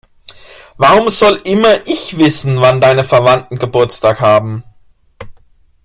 Warum soll immer ich wissen, wann deine Verwandten Geburtstag haben?